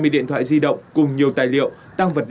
hai mươi điện thoại di động cùng nhiều tài liệu tăng vật liên kết